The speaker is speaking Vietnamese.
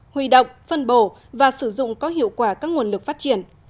huy động phân bổ và sử dụng có hiệu quả các nguồn lực phát triển